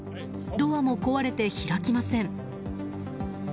ドアも壊れて開きません。